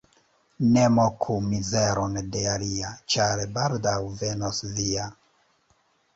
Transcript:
Ne moku mizeron de alia, ĉar baldaŭ venos via.